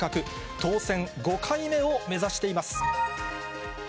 当選５回目を目指しています。